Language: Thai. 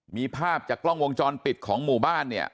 มีภาพจากกล้องวงจรปิดของหมู่บ้านเนี่ย